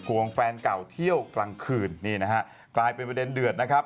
วงแฟนเก่าเที่ยวกลางคืนนี่นะฮะกลายเป็นประเด็นเดือดนะครับ